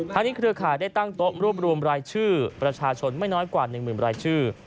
ทั้งนี้เครือขาได้ตั้งโต๊ะรูปรวมลายชื่อประชาชนไม่น้อยกว่า๑หมื่นลายชื่อ